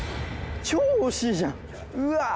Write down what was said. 超惜しいじゃんうわあ